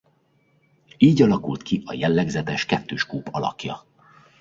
Így alakult ki jellegzetes kettős kúp alakja.